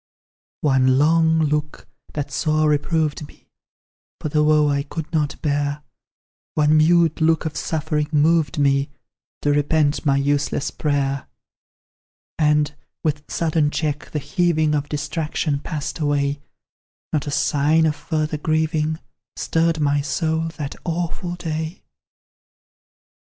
One long look, that sore reproved me For the woe I could not bear One mute look of suffering moved me To repent my useless prayer: And, with sudden check, the heaving Of distraction passed away; Not a sign of further grieving Stirred my soul that awful day.